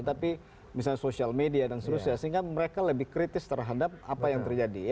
tapi misalnya social media dan seterusnya sehingga mereka lebih kritis terhadap apa yang terjadi